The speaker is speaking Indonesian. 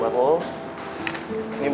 biar lo yakin sama gue